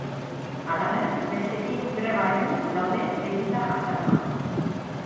Halaber, beste hiru greba egun daude deituta azaroan.